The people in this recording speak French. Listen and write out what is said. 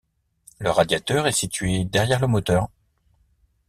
Le radiateur est situé derrière le moteur.